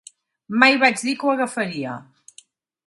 Mai vaig dir que ho agafaria.